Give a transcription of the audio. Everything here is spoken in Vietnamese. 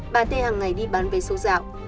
bà tê hàng ngày đi bán vé số dạo